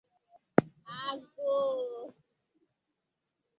Agụụ.